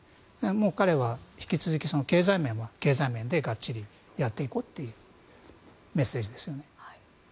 彼は引き続き、経済面は経済面でがっちりやっていこうというメッセージですね。